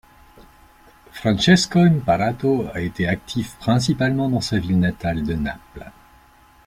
Francesco Imparato a été actif principalement dans sa ville natale de Naples.